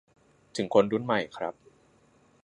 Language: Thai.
ถึงคนรุ่นใหม่ครับ